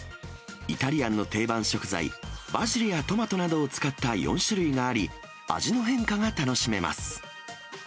イタリアンの定番食材、バジルやトマトなどを使った４種類があり、味の変化が楽しめます。